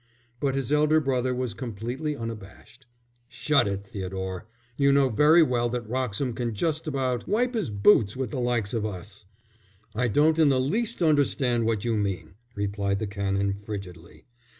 But his elder brother was completely unabashed. "Shut it, Theodore. You know very well that Wroxham can just about wipe his boots with the likes of us." "I don't in the least understand what you mean," replied the Canon, frigidly.